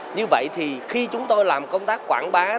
như vậy thì khi chúng tôi làm công tác quảng bá